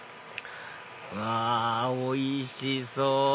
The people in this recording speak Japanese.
うわおいしそう！